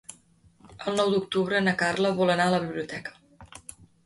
El nou d'octubre na Carla vol anar a la biblioteca.